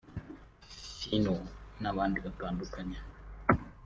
Phyno n’abandi batandukanye